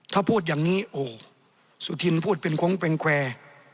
ถ้าพูดอย่างนี้โอ้สุธินพูดเป็นโค้งเป็นแควร์